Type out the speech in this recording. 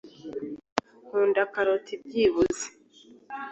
Nkunda karoti byibuze.